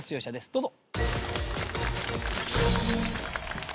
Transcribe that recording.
どうぞ。